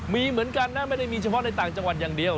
มีเหมือนกันนะไม่ได้มีเฉพาะในต่างจังหวัดอย่างเดียว